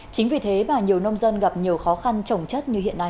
chính vì thế mà nhiều nông dân gặp nhiều khó khăn trồng chất như hiện nay